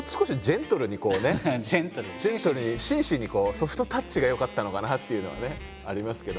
ジェントルに紳士にソフトタッチがよかったのかなっていうのはねありますけど。